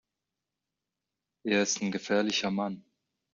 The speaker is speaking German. Er ist ein gefährlicher Mann.